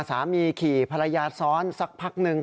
ขี่ภรรยาซ้อนสักพักหนึ่ง